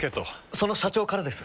その社長からです。